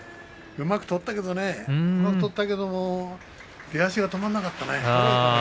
うまく取ったけどねうまく取ったけれども出足が止まらなかったね。